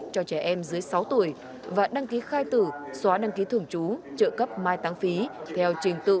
cho trẻ em dưới sáu tuổi và đăng ký khai tử xóa đăng ký thường trú trợ cấp mai tăng phí theo trình tự